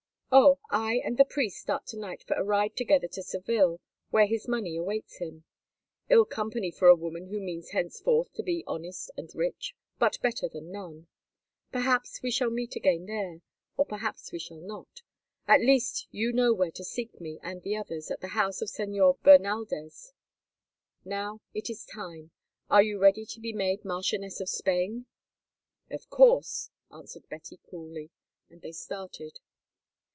"Oh! I and the priest start to night for a ride together to Seville, where his money awaits him; ill company for a woman who means henceforth to be honest and rich, but better than none. Perhaps we shall meet again there, or perhaps we shall not; at least, you know where to seek me and the others, at the house of the Señor Bernaldez. Now it is time. Are you ready to be made a marchioness of Spain?" "Of course," answered Betty coolly, and they started.